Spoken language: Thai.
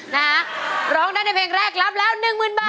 นะฮะร้องได้ในเพลงแรกรับแล้วหนึ่งหมื่นบาท